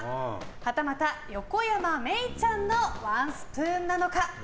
はたまた、横山愛以ちゃんのワンスプーンなのか。